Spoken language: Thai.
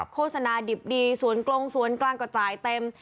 โฆษณาดิบดีสวนกรงสวนกลางก็จ่ายเต็ม